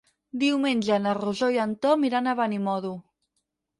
Diumenge na Rosó i en Tom iran a Benimodo.